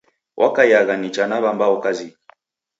W'akaiagha nicha na w'ambao kazinyi.